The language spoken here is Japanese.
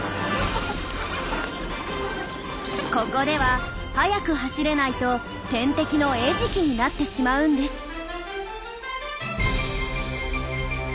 ここでは速く走れないと天敵の餌食になってしまうんです。